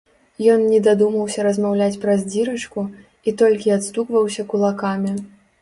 Ён не дадумаўся размаўляць праз дзірачку, і толькі адстукваўся кулакамі.